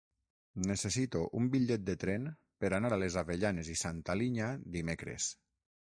Necessito un bitllet de tren per anar a les Avellanes i Santa Linya dimecres.